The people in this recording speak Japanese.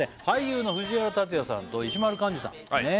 俳優の藤原竜也さんと石丸幹二さん